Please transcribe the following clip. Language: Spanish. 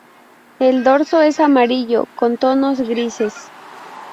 El dorso es amarillo con tonos grises.